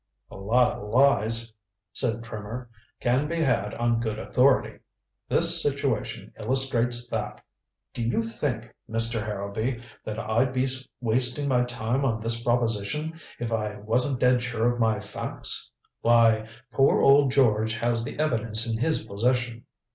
"A lot of lies," said Trimmer, "can be had on good authority. This situation illustrates that. Do you think, Mr. Harrowby, that I'd be wasting my time on this proposition if I wasn't dead sure of my facts. Why, poor old George has the evidence in his possession.